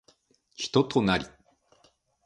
人となり